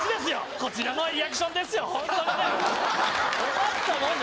こちらのリアクションですよ、本当にね。